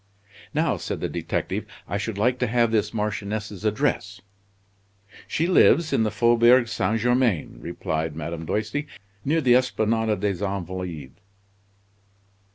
"Now," said the detective, "I should like to have this marchioness's address." "She lives in the Faubourg St. Germain," replied Madame Doisty, "near the Esplanade des Invalides."